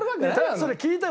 それ聞いたら？